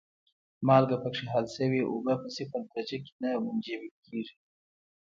مالګه پکې حل شوې اوبه په صفر درجه کې نه منجمد کیږي.